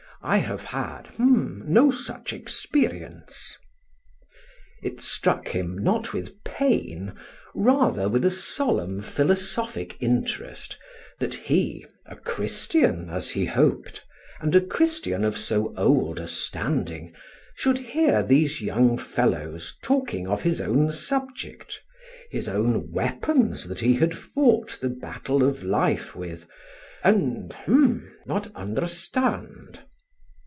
I have had h'm no such experience." It struck him, not with pain, rather with a solemn philosophic interest, that he, a Christian as he hoped, and a Christian of so old a standing, should hear these young fellows talking of his own subject, his own weapons that he had fought the battle of life with, "and h'm not understand."